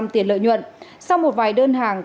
tiền lợi nhuận sau một vài đơn hàng